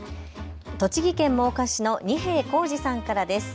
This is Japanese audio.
栃木県真岡市の仁平耿二さんからです。